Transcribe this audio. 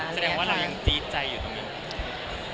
แสดงว่าเรายังตี๊ดใจอยู่ตรงนี้